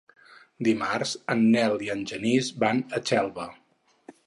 Dimarts en Nel i en Genís van a Xelva.